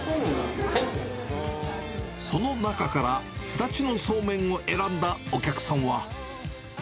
その中から、すだちのそうめんを選んだお客さんは。